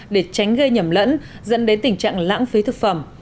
để tránh gây nhầm lẫn dẫn đến tình trạng lãng phí thực phẩm